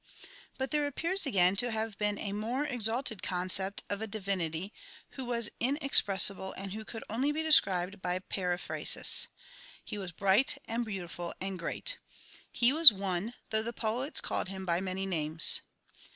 2 But there appears again to have been even a more ex alted concept of a divinity who was inexpressible and who could only be described by a periphrasis. He was bright and beautiful and great. He was One, though the poets called Him by many names.